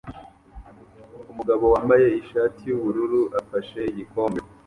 Umugabo wambaye ishati yubururu afashe igikombe